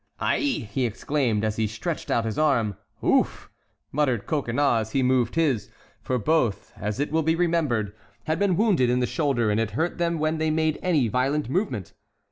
"Aïe!" he exclaimed, as he stretched out his arm. "Ouf!" muttered Coconnas, as he moved his,—for both, as it will be remembered, had been wounded in the shoulder and it hurt them when they made any violent movement.